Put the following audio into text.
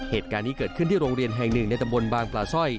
เหตุการณ์นี้เกิดขึ้นที่โรงเรียนแห่งหนึ่งในตำบลบางปลาสร้อย